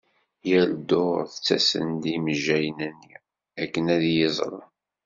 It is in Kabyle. Yal ddurt ttasen-d yimejjayen-nni akken ad iyi-iẓren.